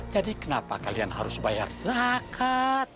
jadi kenapa kalian harus bayar zakat